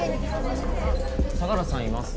相良さんいます？